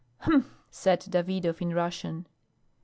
"Humph!" said Davidov in Russian.